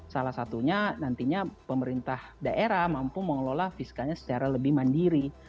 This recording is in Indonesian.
salah satunya nantinya pemerintah daerah mampu mengelola fiskalnya secara lebih mandiri